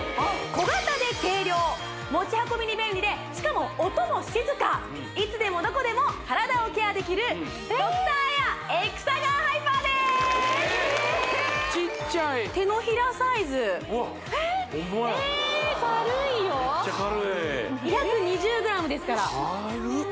小型で軽量持ち運びに便利でしかも音も静かいつでもどこでも体をケアできるドクターエアエクサガンハイパーですちっちゃい手のひらサイズわっほんまや軽いよめっちゃ軽い２２０ｇですからかるっ